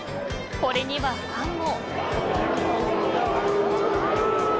これにはファンも。